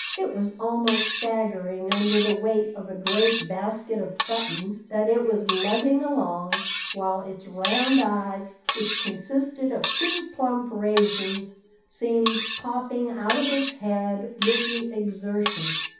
It was almost staggering under the weight of a great basket of buttons that it was lugging along, while its round eyes, which consisted of two plump raisins, seemed popping out of its head with the exertion.